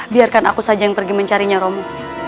biarkan aku saja yang pergi mencarinya romo